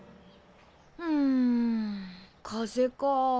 うん風か。